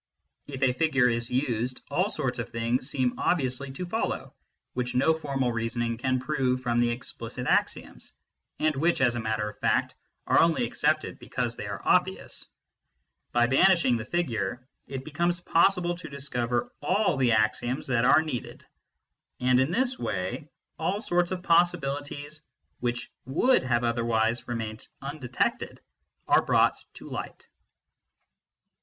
If a figure is used, all sorts of things seem obviously to follow, which no formal reasoning can prove from the explicit axioms, and which, as a matter of fact, are only accepted because they are obvious. By banishing the figure, it becomes possible to discover all the axioms that are needed ; and in this way all sorts of possibilities, which would have otherwise remained undetected, are brought to light.